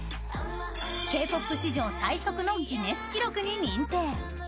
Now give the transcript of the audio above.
Ｋ‐ＰＯＰ史上最速のギネス記録に認定。